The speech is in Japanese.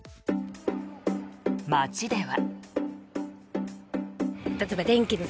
街では。